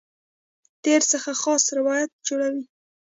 تېر څخه خاص روایت جوړوي.